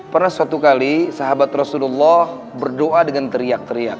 pernah suatu kali sahabat rasulullah berdoa dengan teriak teriak